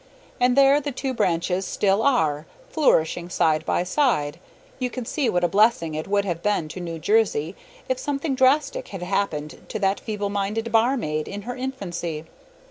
And there the two branches still are, flourishing side by side. You can see what a blessing it would have been to New Jersey if something drastic had happened to that feeble minded barmaid in her infancy.